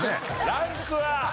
ランクは？